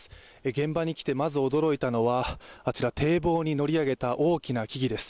現場に来てまず驚いたのはあちら、堤防に乗り上げた大きな木々です。